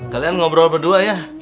kalian ngobrol berdua ya